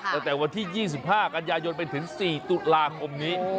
ตั้งแต่วันที่๒๕กันยายนไปถึง๔ตุลาคมนี้